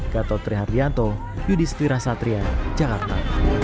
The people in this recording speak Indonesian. gatotri hardianto yudhistira satria jakarta